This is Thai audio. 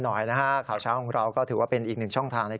หน่อยนะฮะข่าวเช้าของเราก็ถือว่าเป็นอีกหนึ่งช่องทางใน